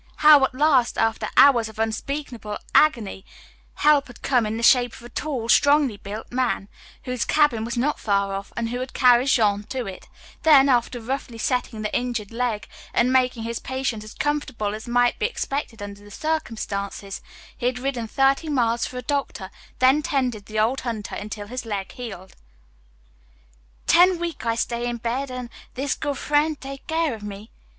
How at last, after hours of unspeakable agony, help had come in the shape of a tall, strongly built young man, whose cabin was not far off and who had carried Jean to it, then, after roughly setting the injured leg, and making his patient as comfortable as might be expected under the circumstances, he had ridden thirty miles for a doctor, then tended the old hunter until his leg healed. "Ten week I stay in bed an' this good frien' take care of me.